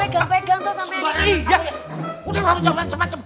kau pegang pegang tau sampe